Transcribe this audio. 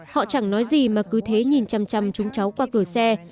họ chẳng nói gì mà cứ thế nhìn chăm chăm chúng cháu qua cửa xe